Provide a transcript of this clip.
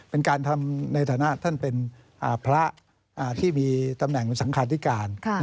เป็นการทำในฐานะท่านเป็นพระที่มีตำแหน่งสังคาธิการ